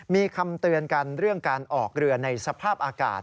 มีคำเตือนกันเรื่องการออกเรือในสภาพอากาศ